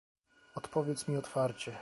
"Odpowiedz mi otwarcie."